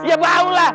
ya bau lah